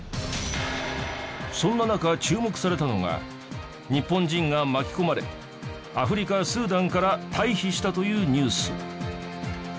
そんな中注目されたのが日本人が巻き込まれアフリカスーダンから退避したというニュース。